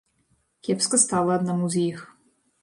Кепска стала аднаму з іх.